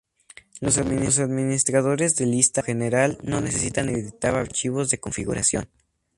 Los administradores de lista, por lo general, no necesitan editar archivos de configuración.